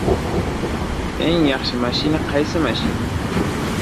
Eng yaxshi mashina qaysi mashina?